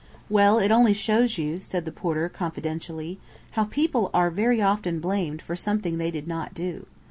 "Well, it only shows you," said the porter confidentially, "how people are very often blamed for something they did not do.